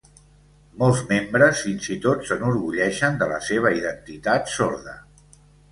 Molts membres fins i tot s'enorgulleixen de la seva identitat sorda.